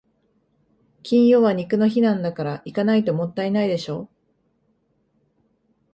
金曜は肉の日なんだから、行かないともったいないでしょ。